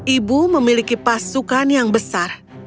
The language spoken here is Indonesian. ibu memiliki pasukan yang besar